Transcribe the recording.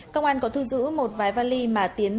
công an có thu giữ một vài vali mà tiến